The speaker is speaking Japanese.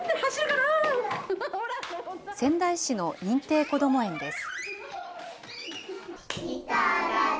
仙台市の認定こども園です。